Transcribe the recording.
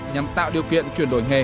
nhằm tạo điều kiện chuyển đổi nghề